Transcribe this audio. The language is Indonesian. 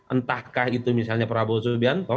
entahkah itu misalnya prabowo subianto